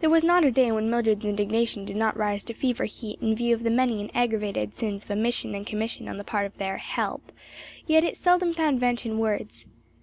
There was not a day when Mildred's indignation did not rise to fever heat in view of the many and aggravated sins of omission and commission on the part of their "help;" yet it seldom found vent in words.